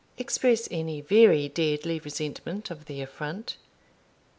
express any very deadly resentment of the affront.